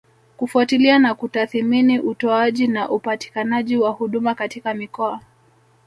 kufuatilia na kutathimini utoaji na upatikanaji wa huduma katika mikoa